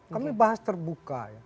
kami bahas terbuka ya